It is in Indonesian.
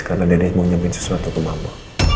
karena dennis mau nyampe sesuatu ke mama